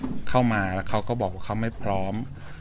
เขาเข้ามาแล้วเขาก็บอกว่าเขาไม่พร้อม